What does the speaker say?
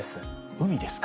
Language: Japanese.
海ですか？